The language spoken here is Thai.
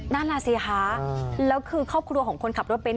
นั่นน่ะสิคะแล้วคือครอบครัวของคนขับรถเบนท